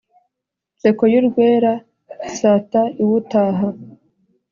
nseko y’urwera, sata iwutaha